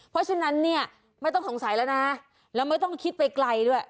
เพราะฉะนั้นเนี่ยไม่ต้องสงสัยแล้วนะแล้วไม่ต้องคิดไปไกลด้วย